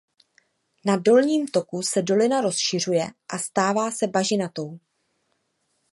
Na dolním toku se dolina rozšiřuje a stává se bažinatou.